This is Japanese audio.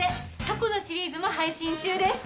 過去のシリーズも配信中です。